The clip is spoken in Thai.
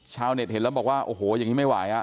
ชาวเน็ตเห็นแล้วบอกว่าโอ้โหอย่างนี้ไม่ไหว